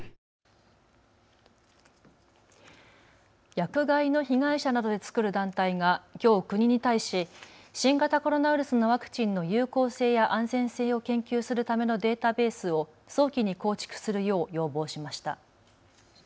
薬害の被害者などで作る団体がきょう国に対し新型コロナウイルスのワクチンの有効性や安全性を研究するためのデータベースを早期に構築するよう要望しました。